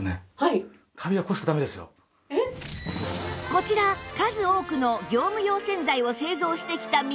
こちら数多くの業務用洗剤を製造してきた宮さん